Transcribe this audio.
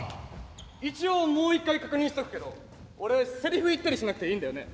一応もう一回確認しとくけど俺セリフ言ったりしなくていいんだよね？